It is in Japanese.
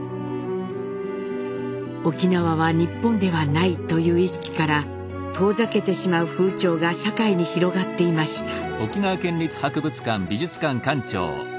「沖縄は日本ではない」という意識から遠ざけてしまう風潮が社会に広がっていました。